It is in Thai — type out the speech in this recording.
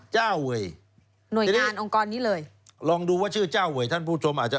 เจ้าเวยหน่วยงานองค์กรนี้เลยลองดูว่าชื่อเจ้าเวยท่านผู้ชมอาจจะ